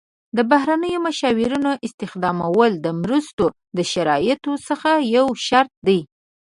د بهرنیو مشاورینو استخدامول د مرستو د شرایطو څخه یو شرط دی.